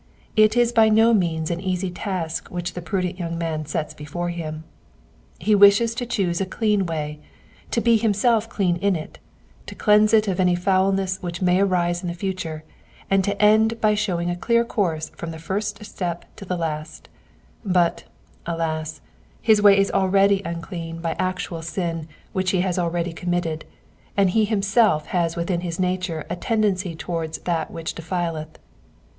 It is by no means an easy task which the prudent young man sets before him. He wishes to choose a clean way, to be himself clean in it, to cleanse it of any foulness which may arise in the future, and to end by showing a clear course from the first step to the last ; but, alas, his way is already unclean by actual sin which he has already committed, and he himself has within his nature a tendency towards that which defileth.